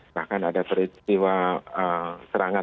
bahkan ada peristiwa serangan